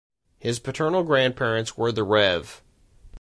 His paternal grandparents were the Rev.